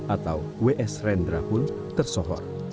atau w s rendra hul tersohor